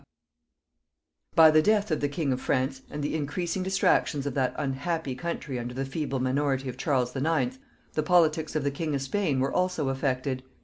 &c. By the death of the king of France, and the increasing distractions of that unhappy country under the feeble minority of Charles IX., the politics of the king of Spain also were affected.